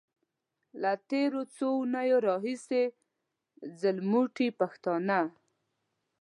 له تېرو څو اونيو راهيسې ځلموټي پښتانه.